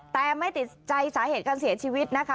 แต่ไม่ติดใจสาเหตุการเสียชีวิตนะคะ